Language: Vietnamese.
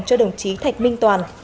cho đồng chí thạch minh toàn